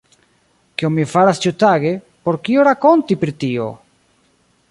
Kion mi faras ĉiutage; por kio rakonti pri tio!